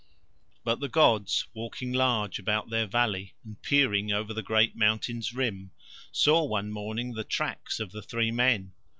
But the gods walking large about Their valley, and peering over the great mountain's rim, saw one morning the tracks of the three men.